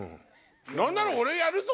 何なら俺やるぞ！